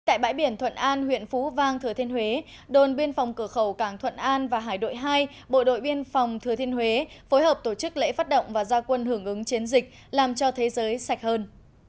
tại bãi biển thuận an huyện phú vang thừa thiên huế đồn biên phòng cửa khẩu cảng thuận an và hải đội hai bộ đội biên phòng thừa thiên huế phối hợp tổ chức lễ phát động và gia quân hưởng ứng chiến dịch làm cho thế giới sạch hơn